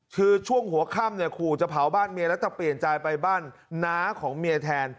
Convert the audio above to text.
คือช่วงหัวค่ำเนี่ยขู่จะเผาบ้านเมียแล้วแต่เปลี่ยนใจไปบ้านน้าของเมียแทน